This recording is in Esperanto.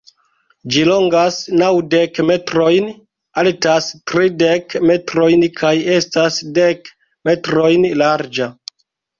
Ĝi longas naŭdek metrojn, altas tridek metrojn kaj estas dek-metrojn larĝa.